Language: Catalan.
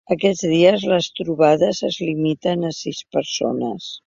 Aquests dies les trobades es limiten a sis persones.